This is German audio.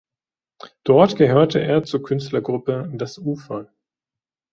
Dort gehörte er zur Künstlergruppe „Das Ufer“.